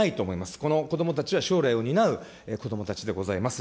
このこどもたちは将来を担う子どもたちでございます。